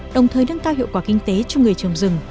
đồng thời nâng cao hiệu quả kinh tế cho người trồng rừng